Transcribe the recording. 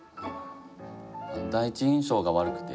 第一印象が悪くて。